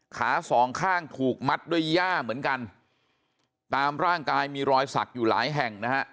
ขาสองข้างถูกมัดด้วยย่าเหมือนกันตามร่างกายมีรอยสักอยู่หลายแห่งนะฮะ